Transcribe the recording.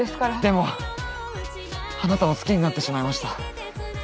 でもあなたを好きになってしまいました。